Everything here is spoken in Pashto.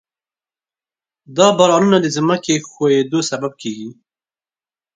دا بارانونه د ځمکې ښویېدو سبب کېږي.